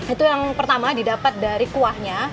itu yang pertama didapat dari kuahnya